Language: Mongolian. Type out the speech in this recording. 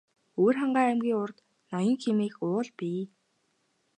Өвөрхангай аймгийн урд Ноён хэмээх уул бий.